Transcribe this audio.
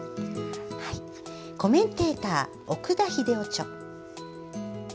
「コメンテーター」奥田英朗著。